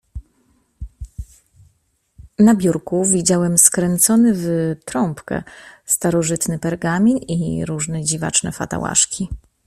"Na biurku widziałem skręcony w trąbkę starożytny pergamin i różne dziwaczne fatałaszki."